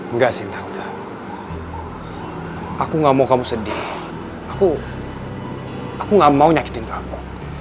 enggak sih nangka aku gak mau kamu sedih aku aku gak mau nyakitin kamu